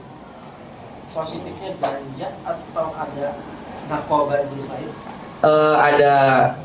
positifnya ganja atau ada narkoba di seluruh air